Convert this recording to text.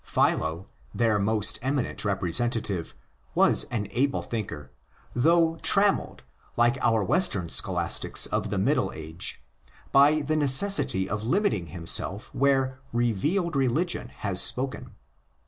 Philo, their most eminent representative, was an able thinker, though trammelled, like our Western 16 THE ORIGINS OF CHRISTIANITY scholastics of the Middle Age, by the necessity of limiting himself where ''revealed religion" has spoken.